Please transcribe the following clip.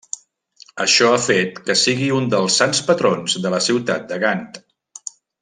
Això ha fet que sigui un dels sants patrons de la ciutat de Gant.